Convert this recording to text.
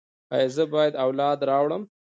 ایا زه باید اولاد راوړم؟